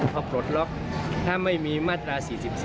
พอปลดล็อกถ้าไม่มีมาตรา๔๔